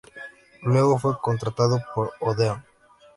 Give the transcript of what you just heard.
Luego fue contratado por Odeón.